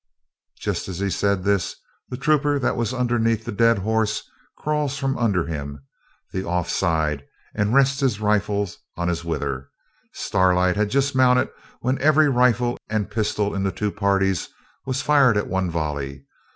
Just as he said this the trooper that was underneath the dead horse crawls from under him, the off side, and rests his rifle on his wither. Starlight had just mounted when every rifle and pistol in the two parties was fired at one volley.